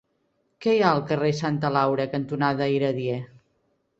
Què hi ha al carrer Santa Laura cantonada Iradier?